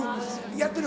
やってる？